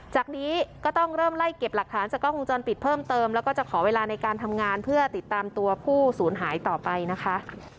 จากนี้ก็ต้องเริ่มไล่เก็บหลักฐานจากกล้องวงจรปิดเพิ่มเติมแล้วก็จะขอเวลาในการทำงานเพื่อติดตามตัวผู้สูญหายต่อไปนะคะ